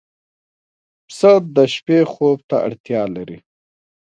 پسه د شپې خوب ته اړتیا لري.